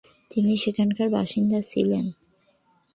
তিনি সেখানকার বাসিন্দা ছিলেন।